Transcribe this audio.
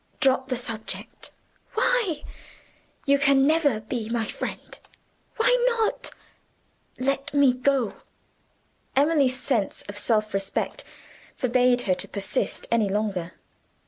"Drop the subject." "Why?" "You can never be my friend." "Why not?" "Let me go!" Emily's sense of self respect forbade her to persist any longer.